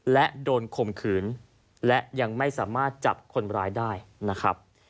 และโดนข่มขืนและยังไม่สามารถจับคนร้ายได้นะครับ